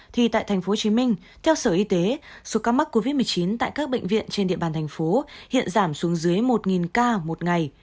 thì tại tp hcm theo sở y tế số ca mắc covid một mươi chín tại các bệnh viện trên địa bàn thành phố hiện giảm xuống dưới một ca một ngày